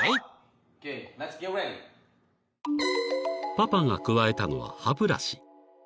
［パパがくわえたのは歯ブラシ］